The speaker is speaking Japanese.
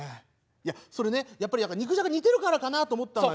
いやそれねやっぱり肉じゃが似てるからかなと思ったのよ。